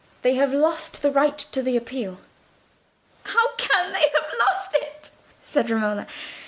They have lost the right to the appeal." "How can they have lost it?" said Romola.